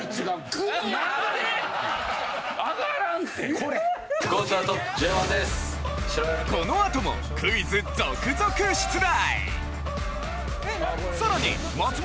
このあともクイズ続々出題！